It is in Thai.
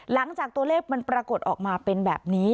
หลังจากตัวเลขมันปรากฏออกมาเป็นแบบนี้